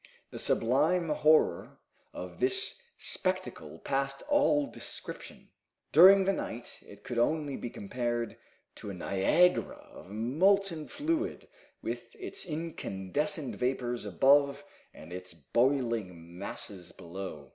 The sublime horror of this spectacle passed all description. During the night it could only be compared to a Niagara of molten fluid, with its incandescent vapors above and its boiling masses below.